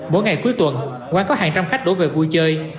mỗi ngày cuối tuần quán có hàng trăm khách đổ về vui chơi